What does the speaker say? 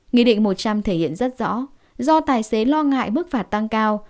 nghị định một trăm linh thể hiện rất rõ do tài xế lo ngại mức phạt tăng cao